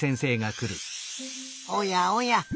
おやおや。